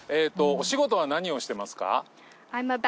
お仕事は何をしてますか？